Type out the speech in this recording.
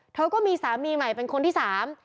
เธอก็มีสามีใหม่เป็นคนที่สาม